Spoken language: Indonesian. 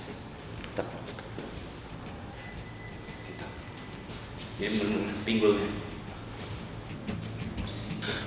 ini belum pinggul